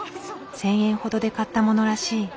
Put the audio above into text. １，０００円ほどで買ったモノらしい。